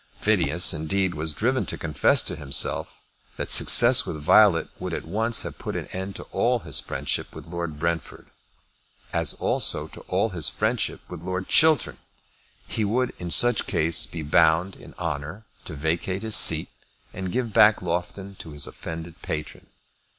Phineas, indeed, was driven to confess to himself that success with Violet would at once have put an end to all his friendship with Lord Brentford; as also to all his friendship with Lord Chiltern. He would, in such case, be bound in honour to vacate his seat and give back Loughton to his offended patron.